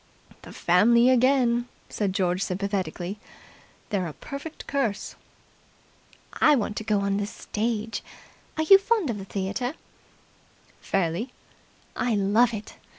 "The family again!" said George sympathetically. "They're a perfect curse." "I want to go on the stage. Are you fond of the theatre?" "Fairly." "I love it.